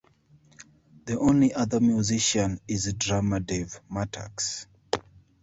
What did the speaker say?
The only other musician is drummer Dave Mattacks.